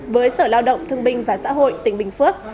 với sở lao động thương binh và xã hội tỉnh bình phước